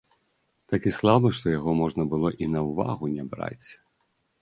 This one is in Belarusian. Такі слабы, што яго можна было і на ўвагу не браць.